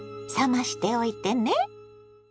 冷ましておいてね。